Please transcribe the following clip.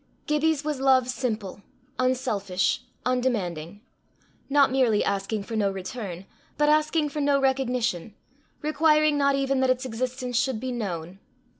Gibbie's was love simple, unselfish, undemanding not merely asking for no return, but asking for no recognition, requiring not even that its existence should be known.